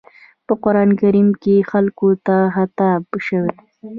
په قرآن کريم کې خلکو ته خطاب شوی.